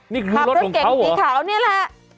นี่ของเขาเหรอขับรถเก๋งสีขาวเนี่ยแหละ